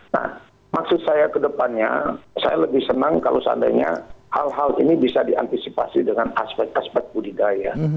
nah maksud saya kedepannya saya lebih senang kalau seandainya hal hal ini bisa diantisipasi dengan aspek aspek budidaya